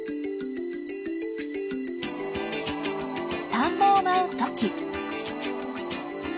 田んぼを舞うトキ。